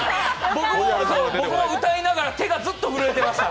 僕も歌いながら手がずっと震えていました。